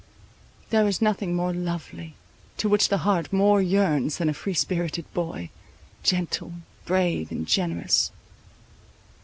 There is nothing more lovely, to which the heart more yearns than a free spirited boy, gentle, brave, and generous.